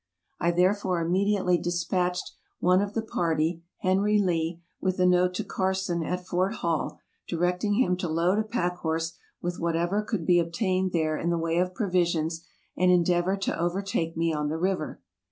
I therefore immediately dispatched one of the party, Henry Lee, with a note to Carson, at Fort Hall, directing him to load a pack horse with whatever could be obtained there in the way of provisions, and endeavor to overtake me on the river.